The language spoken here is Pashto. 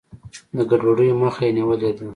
د ګډوډیو مخه یې نیولې ده.